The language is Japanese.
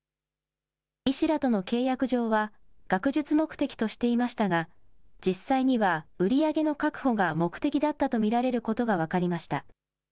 医師らとの契約上は、学術目的としていましたが、実際には売り上げの確保が目的だったと見られることが分かりました。